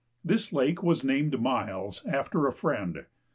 This lake was named "Miles," after a friend.